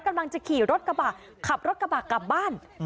กำลังจะขี่รถกระบะขับรถกระบะกลับบ้าน